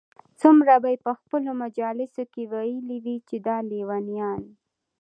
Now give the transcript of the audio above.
څومره به ئې په خپلو مجالسو كي ويلي وي چې دا ليونيان